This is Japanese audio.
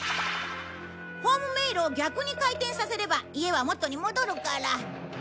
ホームメイロを逆に回転させれば家は元に戻るから。